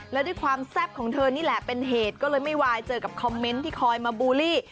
และด้วยความแซ่บของเธอนี่แหละเป็นเหตุก็เลยไม่วายเจอกับคอมเมนต์ที่คอยมาบูลลี่